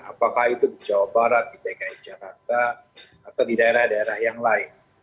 apakah itu di jawa barat di dki jakarta atau di daerah daerah yang lain